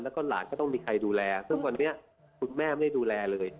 แล้วก็หลานก็ต้องมีใครดูแลซึ่งวันนี้คุณแม่ไม่ได้ดูแลเลย